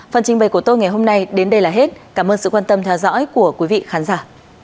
phần trình bày của tôi ngày hôm nay đến đây là hết cảm ơn sự quan tâm theo dõi của quý vị khán giả